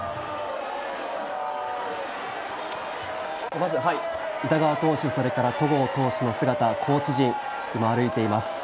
まず宇田川投手、それから戸郷投手の姿、コーチ陣、今、歩いています。